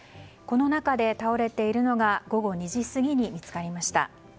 この中で倒れているのが午後２時過ぎに見つかりました。